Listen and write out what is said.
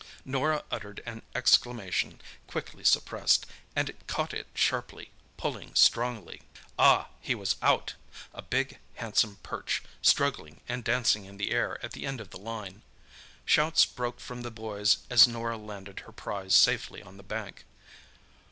Norah uttered an exclamation, quickly suppressed, and caught it sharply, pulling strongly. Ah—he was out! A big, handsome perch, struggling and dancing in the air at the end of the line. Shouts broke from the boys as Norah landed her prize safely on the bank.